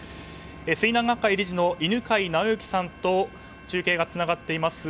水難学会理事の犬飼直之さんと中継がつながっています。